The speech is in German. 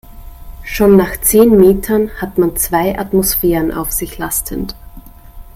Schon nach zehn Metern hat man zwei Atmosphären auf sich lastend.